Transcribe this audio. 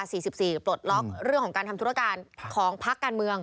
หรือปลดล็อคเรื่องของการทำธุรการของพักการเมือง